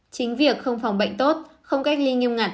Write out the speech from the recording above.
chính việc không phòng bệnh tốt không cách ly nghiêm ngặt